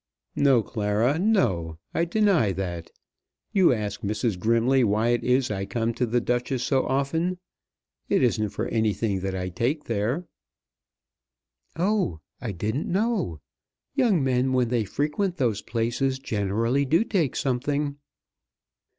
"No, Clara no; I deny that. You ask Mrs. Grimley why it is I come to The Duchess so often. It isn't for anything that I take there." "Oh; I didn't know. Young men when they frequent those places generally do take something."